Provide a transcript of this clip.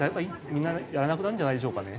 みんなやらなくなるんじゃないでしょうかね。